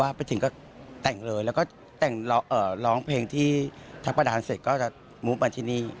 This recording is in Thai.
ไปถึงก็แต่งเลยแล้วก็แต่งร้องเพลงที่ชักประดานเสร็จก็จะมุบมาที่นี่